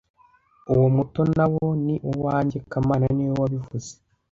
Uwo muto nawo ni uwanjye kamana niwe wabivuze